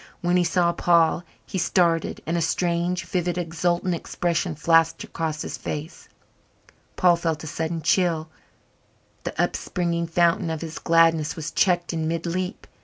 When he saw Paul he started and a strange, vivid, exultant expression flashed across his face. Paul felt a sudden chill the upspringing fountain of his gladness was checked in mid leap.